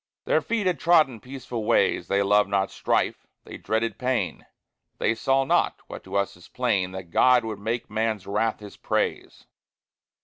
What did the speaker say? Their feet had trodden peaceful ways; They loved not strife, they dreaded pain; They saw not, what to us is plain, That God would make man's wrath His praise.